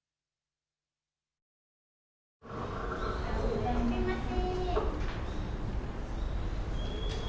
いらっしゃいませ。